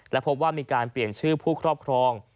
และพบว่ามีการเปลี่ยนชื่อผู้ครอบครอง